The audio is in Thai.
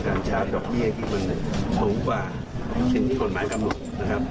การช้าจักรเบี้ยที่มันมอง้วกกว่าที่ถึงที่ผลหมายกำหนด